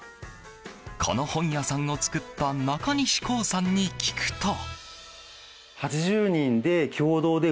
この本屋さんを作った中西功さんに聞くと。